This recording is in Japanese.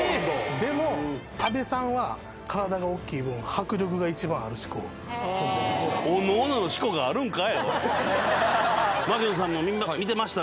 でも阿部さんは体が大きい分迫力が一番ある四股を踏んでました槙野さんも見てました？